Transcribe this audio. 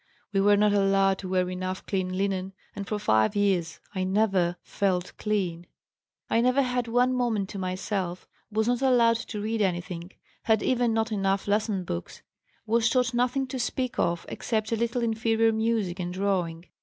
We were not allowed to wear enough clean linen, and for five years I never felt clean. "I never had one moment to myself, was not allowed to read anything, had even not enough lesson books, was taught nothing to speak of except a little inferior music and drawing.